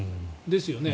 ですよね。